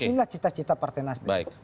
inilah cita cita partai nasdem